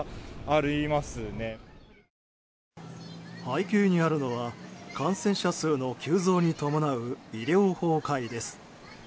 背景にあるのは感染者の急増に伴う医療崩壊です。